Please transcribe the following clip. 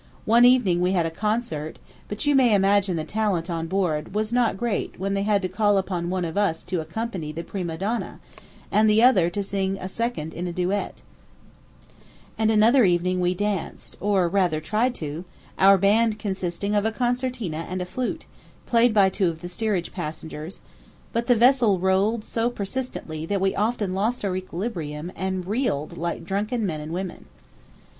One evening we had a concert; but you may imagine the talent on board was not great when they had to call upon one of us to accompany the prima donna, and the other to sing a second in a duet; another evening we danced or rather tried to our band consisting of a concertina and a flute, played by two of the steerage passengers, but the vessel rolled so persistently that we often lost our equilibrium and reeled like drunken men and women.